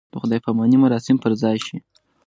د خدای پامانۍ مراسم پر ځای شي.